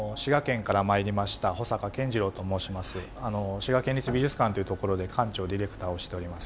滋賀県立美術館というところで館長ディレクターをしております。